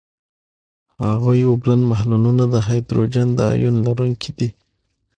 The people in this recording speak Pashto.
د هغوي اوبلن محلولونه د هایدروجن د آیون لرونکي دي.